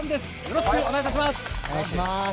よろしくお願いします。